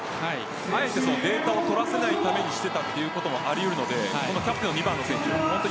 あえてデータを取らせないためにしていたということもあり得るのでキャプテンの２番の選手